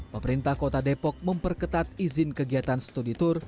pemerintah kota depok memperketat izin kegiatan studi tour